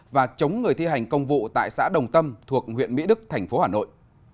và chống người thi hành công vụ tại xã đồng tâm thuộc huyện mỹ đức tp hà nội